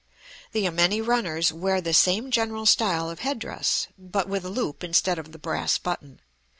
The yameni runners wear the same general style of head dress, but with a loop instead of the brass button.